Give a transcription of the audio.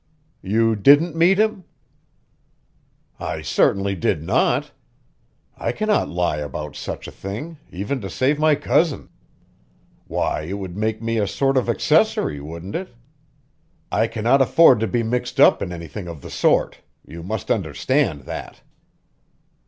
"You didn't meet him?" "I certainly did not! I cannot lie about such a thing, even to save my cousin. Why, it would make me a sort of accessory, wouldn't it? I cannot afford to be mixed up in anything of the sort. You must understand that!"